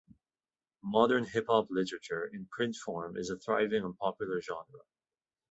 Modern hip-hop literature in print form is a thriving and popular genre.